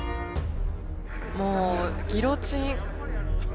もうギロチン。